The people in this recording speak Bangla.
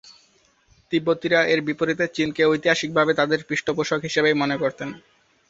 তিব্বতীরা এর বিপরীতে চীনকে ঐতিহাসিকভাবে তাঁদের পৃষ্ঠপোষক হিসেবেই মনে করতেন।